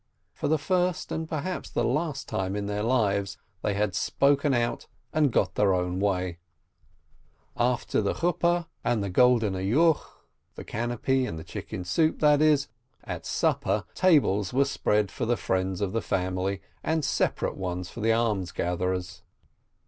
For the first and perhaps the last time in their lives, they had spoken out, and got their own way. After the "canopy" and the chicken soup, that is, at "supper," tables were spread for the friends of the family and separate ones for the almsgatherers.